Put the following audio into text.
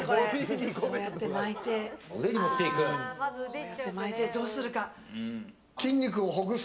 こうやって巻いてどうするか。